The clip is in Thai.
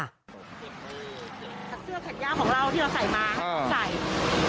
เสื้อเข็ดยาวของเราที่เราใส่มาใส่